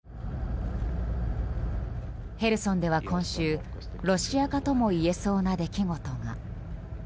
ヘルソンでは今週ロシア化とも言えそうな出来事が。